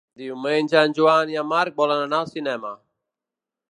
Diumenge en Joan i en Marc volen anar al cinema.